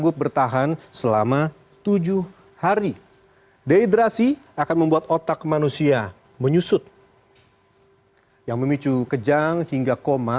dan juga membuang makanan